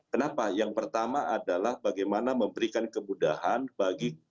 kenapa yang pertama adalah bagaimana memberikan kemudahan bagi pelaku usaha kecil dan muda